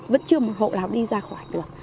vẫn chưa một hộ nào đi ra khỏi được